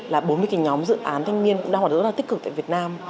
là bốn mươi cái nhóm dự án thanh niên cũng đang hoạt động rất là tích cực tại việt nam